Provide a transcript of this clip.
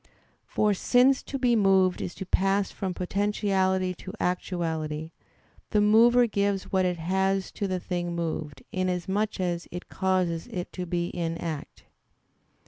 For, since to be moved is to pass from potentiality to actuality, the mover gives what it has to the thing moved, inasmuch as it causes it to be in act.